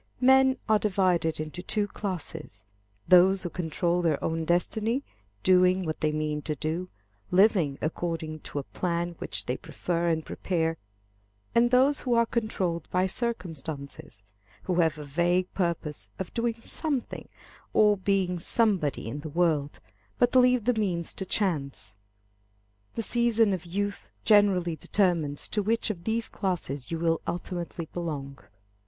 Men are divided into two classes, those who control their own destiny, doing what they mean to do, living according to a plan which they prefer and prepare, and those who are controlled by circumstances, who have a vague purpose of doing something or being somebody in the world, but leave the means to chance. The season of youth generally determines to which of these classes you will ultimately belong.